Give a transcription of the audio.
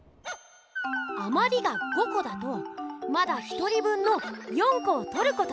あまりが５こだとまだ１人分の４こをとることができる！